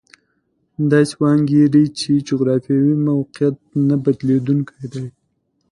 داسې وانګېري چې جغرافیوي موقعیت نه بدلېدونکی دی.